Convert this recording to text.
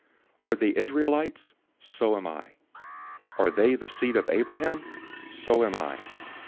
Are they Israelites? So am I. Are they the seed of Abraham? So am I.